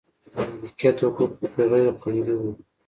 د مالکیت حقوق په کې غیر خوندي و.